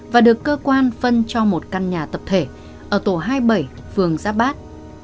và được cơ quan phân cho một căn nhà tập thể ở tổ hai mươi bảy phường giáp bát